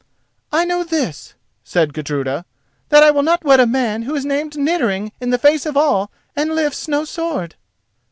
"I know this," said Gudruda, "that I will not wed a man who is named 'Niddering' in the face of all and lifts no sword."